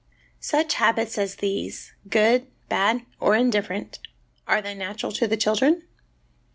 Such habits as these, good, bad, or indifferent, are they natural to the children?